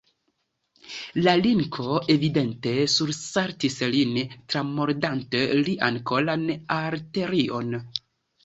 La linko evidente sursaltis lin, tramordante lian kolan arterion.